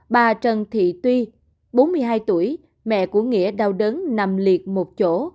bà trần thị tuy bốn mươi hai tuổi mẹ của nghĩa đau đớn nằm liệt một chỗ